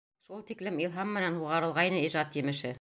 Шул тиклем илһам менән һуғарылғайны ижад емеше.